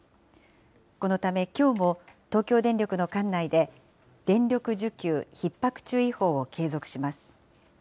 このため、きょうも東京電力の管内で、電力需給ひっ迫注意報を継続します。